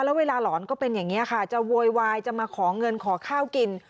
แล้วเวลาหลอนก็เป็นอย่างนี้ค่ะจะโวยวายจะมาขอเงินขอข้าวกิน